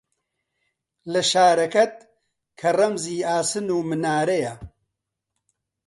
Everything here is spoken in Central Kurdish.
لە شارەکەت، کە ڕەمزی ئاسن و منارەیە